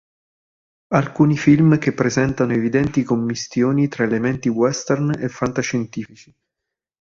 Alcuni film che presentano evidenti commistioni tra elementi western e fantascientifici.